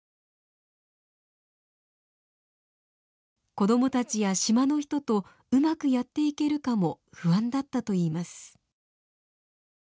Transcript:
子供たちや島の人とうまくやっていけるかも不安だったといいます。